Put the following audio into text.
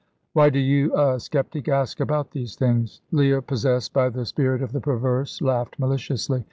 "Why do you, a sceptic, ask about these things?" Leah, possessed by the spirit of the perverse, laughed maliciously.